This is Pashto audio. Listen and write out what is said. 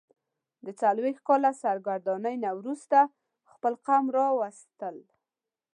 د څلوېښت کاله سرګرانۍ نه وروسته خپل قوم راوستل.